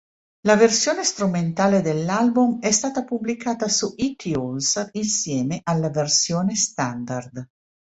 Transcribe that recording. La versione strumentale dell'album è stata pubblicata su iTunes, insieme alla versione standard.